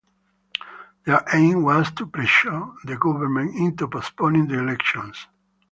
Their aim was to pressure the government into postponing the elections.